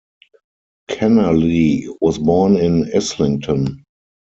Kennerley was born in Islington.